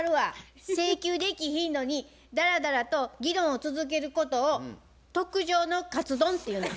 請求できひんのにだらだらと議論を続けることを特上のかつ丼って言うねん。